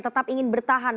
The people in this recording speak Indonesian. tetap ingin bertahan